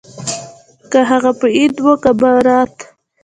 که هغه به عيد وو که ببرات.